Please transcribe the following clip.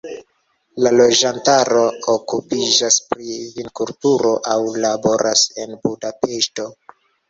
La loĝantaro okupiĝas pri vinkulturo aŭ laboras en Budapeŝto.